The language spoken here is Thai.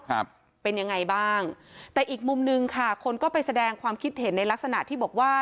ครับเป็นยังไงบ้างแต่อีกมุมหนึ่งค่ะคนก็ไปแสดงความคิดเห็นในลักษณะที่บอกว่า